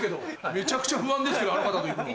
めちゃくちゃ不安ですけどあの方と行くの。